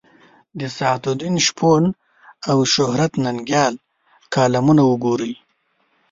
د سعدالدین شپون او شهرت ننګیال کالمونه وګورئ.